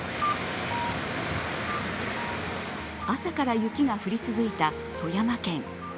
朝から雪が降り続いた富山県。